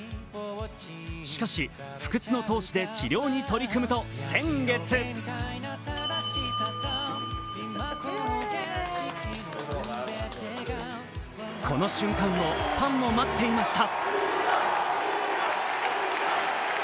しかし、不屈の闘志で治療に取り組むと先月この瞬間をファンも待っていました。